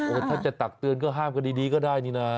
ถ้าจะตักเตือนก็ห้ามกันดีก็ได้นี่นะ